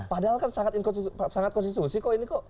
padahal kan sangat konstitusi kok ini kok